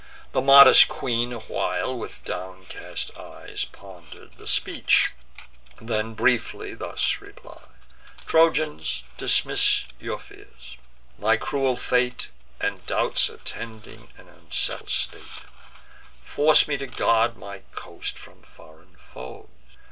The modest queen a while, with downcast eyes, Ponder'd the speech; then briefly thus replies: "Trojans, dismiss your fears; my cruel fate, And doubts attending an unsettled state, Force me to guard my coast from foreign foes.